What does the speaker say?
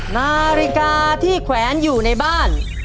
นาฬิกาที่แขวนอยู่ในบ้าน